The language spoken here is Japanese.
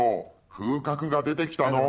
風格が出てきたのう。